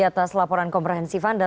atas laporan komprehensif anda